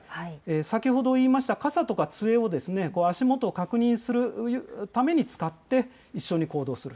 先ほど言いました傘とかつえを、こう足元を確認するために使って、一緒に行動する。